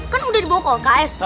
kan udah dibawa ke uks